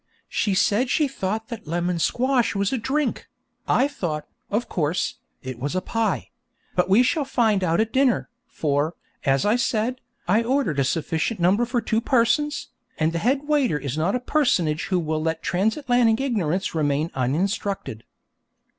She said she thought that lemon squash was a drink; I thought, of course, it was a pie; but we shall find out at dinner, for, as I said, I ordered a sufficient number for two persons, and the head waiter is not a personage who will let Transatlantic ignorance remain uninstructed.